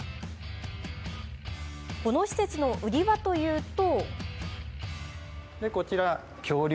この施設の売りはというと。